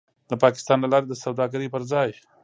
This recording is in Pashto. د پاکستان له لارې د سوداګرۍ پر ځای